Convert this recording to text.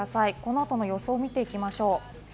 この後の様子を見ていきましょう。